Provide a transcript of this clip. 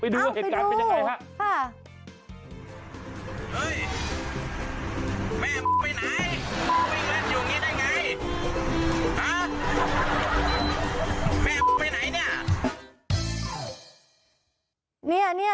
ไปดูเหตุการณ์เป็นยังไงค่ะ